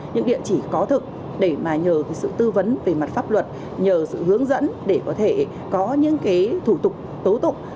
những địa chỉ có thực để mà nhờ sự tư vấn về mặt pháp luật nhờ sự hướng dẫn để có thể có những thủ tục tố tục